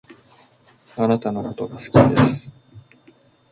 あなたのことが好きです